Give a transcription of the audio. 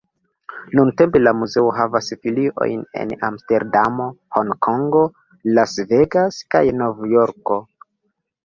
Nuntempe la muzeo havas filiojn en Amsterdamo, Honkongo, Las Vegas kaj Novjorko.